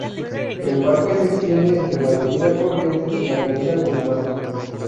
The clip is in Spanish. El parque se extiende entre la Avenida Corrientes y la avenida Guzmán.